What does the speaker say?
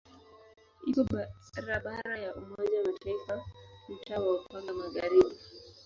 Ipo barabara ya Umoja wa Mataifa mtaa wa Upanga Magharibi.